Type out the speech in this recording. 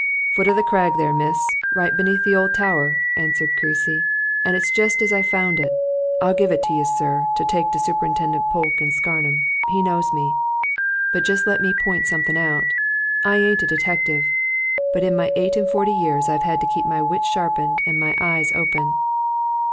"Foot of the crag there, miss right beneath the old tower," answered Creasy. "And it's just as I found it. I'll give it to you, sir, to take to Superintendent Polke in Scarnham he knows me. But just let me point something out. I ain't a detective, but in my eight and forty years I've had to keep my wits sharpened and my eyes open.